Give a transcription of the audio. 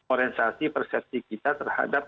oransiasi persepsi kita terhadap